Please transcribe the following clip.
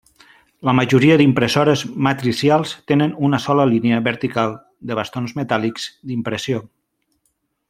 La majoria d'impressores matricials tenen una sola línia vertical de bastons metàl·lics d'impressió.